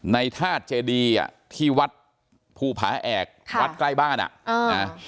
ในทาสเจดีอ่ะที่วัดผู้ผาแอกค่ะวัดใกล้บ้านอ่ะอ่า